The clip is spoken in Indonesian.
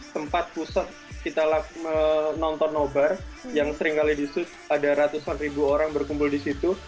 tempat pusat kita nonton nobar yang sering kali disus ada ratusan ribu orang berkumpul disitu